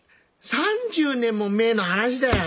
３０年も前の話だよ。